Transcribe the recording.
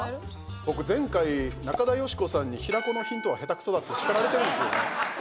僕、前回、中田喜子さんに平子のヒントは下手くそだってしかられてるんですよ。